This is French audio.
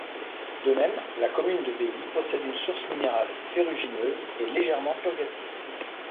De même, la commune de Veilly possède une source minérale ferrugineuse et légèrement purgative.